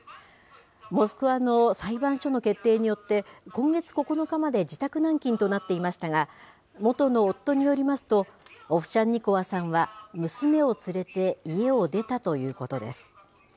モスクワの裁判所の決定によって、今月９日まで自宅軟禁となっていましたが、元の夫によりますと、オフシャンニコワさんは娘を連れて家を出たということです。